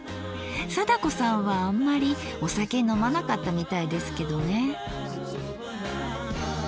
貞子さんはあんまりお酒飲まなかったみたいですけどね。